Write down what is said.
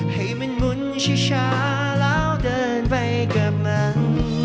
ให้มันหมุนชิชาแล้วเดินไปกับมัน